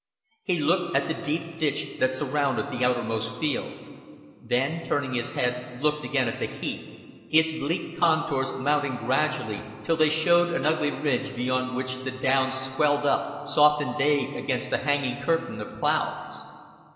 He looked at the deep ditch that surrounded the outermost field; then turning his head looked again at the heath, its bleak contours mounting gradually till they showed an ugly ridge beyond which the downs swelled up soft and vague against the hanging curtain of clouds.